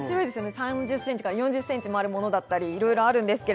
３０ｃｍから４０ｃｍのあるものだったり、いろいろあります。